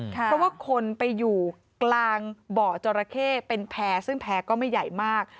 เพราะว่าคนไปอยู่กลางบ่อจราเข้เป็นแพร่ซึ่งแพ้ก็ไม่ใหญ่มาก